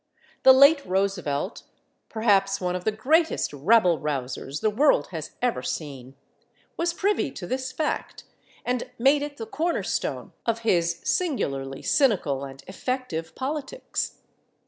The late Roosevelt, perhaps one of the greatest rabble rousers the world has ever seen, was privy to this fact, and made it the corner stone of his singularly cynical and effective politics.